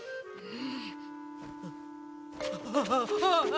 うん！